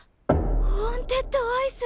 ホーンテッドアイス！